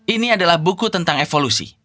ini adalah buku tentang evolusi